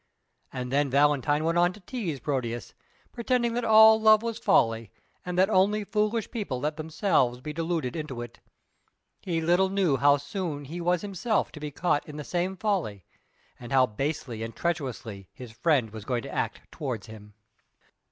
And then Valentine went on to tease Proteus, pretending that all love was folly, and that only foolish people let themselves be deluded into it. He little knew how soon he was himself to be caught in the same folly, and how basely and treacherously his friend was going to act towards him.